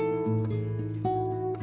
masa masa hidup mandiri